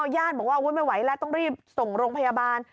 ญาติบอกว่าไม่ไหวแล้วต้องรีบส่งโรงพยาบาล